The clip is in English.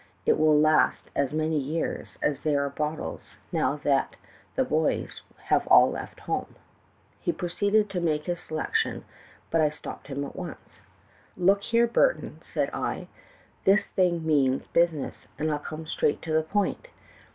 It will last as many years as there are bottles, now that the boys have all left home.' "He proceeded to make his selection, but I stopped him at once. "'Look here, Burton,' said I, 'this thing means business, and I'll come straight to the point.